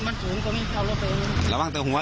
มันสูงตรงนี้เข้ารถเอง